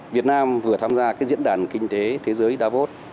việt nam vừa tham gia diễn đàn kinh tế thế giới davos